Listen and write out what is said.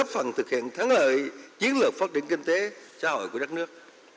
phần thực hiện thắng lợi chiến lược phát triển kinh tế xã hội của đất nước